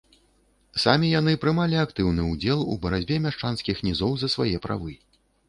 Самі яны прымалі актыўны ўдзел у барацьбе мяшчанскіх нізоў свае правы.